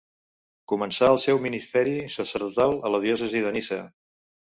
Començà el seu ministeri sacerdotal a la diòcesi de Niça.